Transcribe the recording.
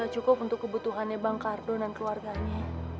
gak cukup untuk kebutuhannya bang kardun dan keluarganya